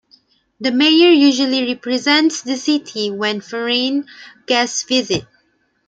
The mayor usually represents the city when foreign guests visit.